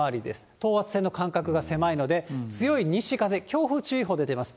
等圧線の間隔が狭いので、強い西風、強風注意報出ています。